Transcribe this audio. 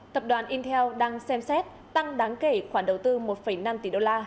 tập đoàn intel đang xem xét tăng đáng kể khoản đầu tư một năm tỷ đô la